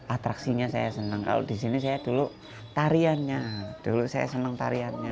atraksinya saya senang kalau di sini saya dulu tariannya dulu saya senang tariannya